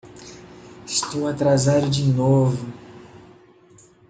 Estou atrasado de novo!